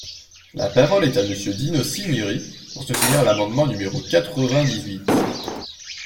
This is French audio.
La parole est à Monsieur Dino Cinieri, pour soutenir l’amendement numéro quatre-vingt-dix-huit.